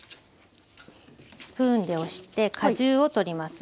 スプーンで押して果汁を取ります。